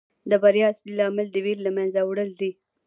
د بریا اصلي لامل د ویرې له منځه وړل دي.